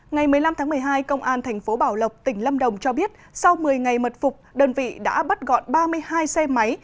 ngày một mươi năm tháng một mươi hai công an thành phố bảo lộc tỉnh lâm đồng cho biết sau một mươi ngày mật phục đơn vị đã bắt gọn ba mươi hai xe máy